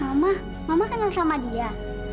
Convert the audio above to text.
mama mama kenal sama dia